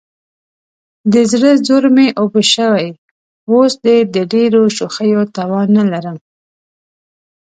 د زړه زور مې اوبه شوی، اوس دې د ډېرو شوخیو توان نه لرم.